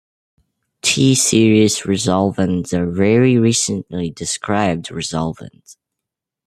T series resolvins are very recently described resolvins.